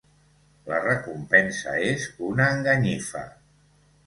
La recompensa és una enganyifa.